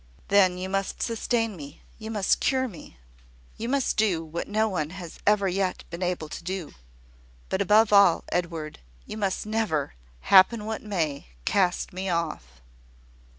"Then you must sustain me you must cure me you must do what no one has ever yet been able to do. But above all, Edward, you must never, happen what may, cast me off."